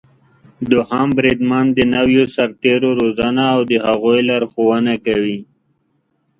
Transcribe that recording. دوهم بریدمن د نويو سرتېرو روزنه او د هغوی لارښونه کوي.